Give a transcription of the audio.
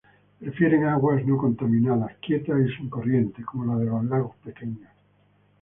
Prefieren aguas no contaminadas, quietas y sin corriente, como las de los lagos pequeños.